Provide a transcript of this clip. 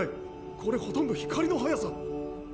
これほとんど光の速さ。